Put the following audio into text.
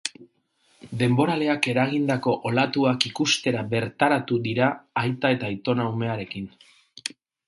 Denboraleak eragindako olatuak ikustera bertaratu dira aita eta aitona umearekin.